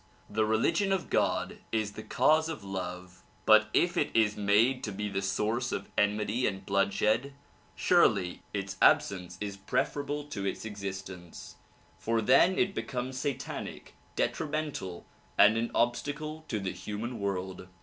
The religion of God is the cause of love, but if it is made to be the source of enmity and bloodshed, surely its absence is preferable to its existence; for then it becomes satanic, detrimental and an obstacle to the human world.